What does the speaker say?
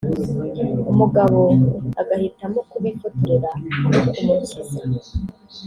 umugabo agahitamo kubifotora aho kumukiza